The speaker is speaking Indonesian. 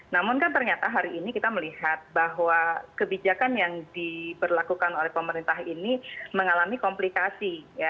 namun kan ternyata hari ini kita melihat bahwa kebijakan yang diberlakukan oleh pemerintah ini mengalami komplikasi